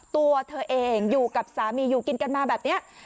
ตัวเธอเองอยู่กับสามีอยู่กินกันมาแบบนี้